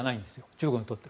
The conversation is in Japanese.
中国にとって。